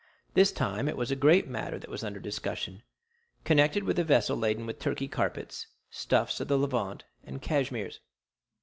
This time it was a great matter that was under discussion, connected with a vessel laden with Turkey carpets, stuffs of the Levant, and cashmeres.